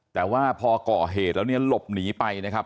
แต่ว่าพอก่อเหตุแล้วเนี่ยหลบหนีไปนะครับ